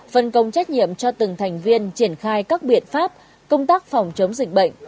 phân công trách nhiệm cho từng thành viên triển khai các biện pháp công tác phòng chống dịch bệnh